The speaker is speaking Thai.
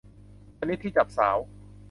ชนิดที่จับสาว